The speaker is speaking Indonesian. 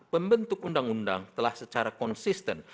pembentuk undang undang telah secara konsisten